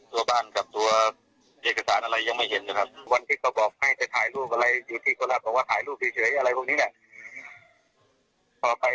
ต้องต้นเต็มเอกสารอะไรพวกนี้ก็คือเหมือนไม่ให้อ่านเลยเลยครับ